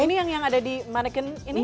ini yang ada di manekin ini